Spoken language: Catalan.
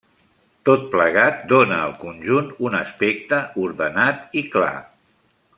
Tot plegat dóna al conjunt un aspecte ordenat i clar.